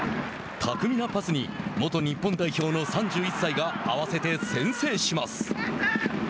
巧みなパスに元日本代表の３１歳が合わせて先制します。